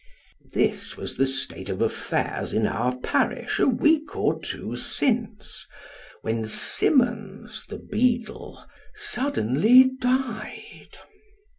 This was the state of affairs in our parish a week or two since, when Simmons, the beadle, suddenly died.